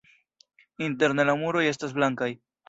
Interne la muroj estas blankaj.